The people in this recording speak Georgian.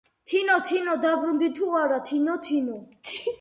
"თინო!თინო!დაბრუნდი თუ არა, თინო!თინო!"